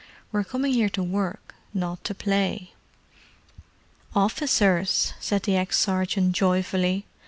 We're coming here to work, not to play." "Officers!" said the ex sergeant joyfully.